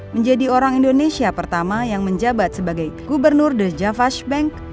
menjadi orang indonesia pertama yang menjabat sebagai gubernur the javash bank